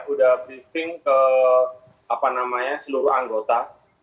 sudah briefing ke seluruh anggota